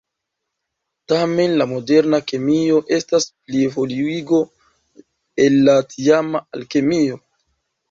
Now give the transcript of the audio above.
Tamen la moderna kemio estas plievoluigo el la tiama alkemio.